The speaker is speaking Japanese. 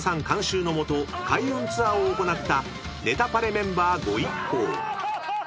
監修のもと開運ツアーを行った『ネタパレ』メンバーご一行］